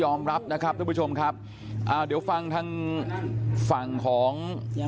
ล่วงเกินได้ดีนี่ค่ะโอ้โหไปกอดเขาไปสุดท้ายยอมรับนะครับ